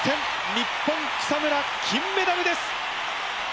日本草村金メダルです！